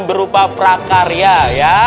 berupa prakarya ya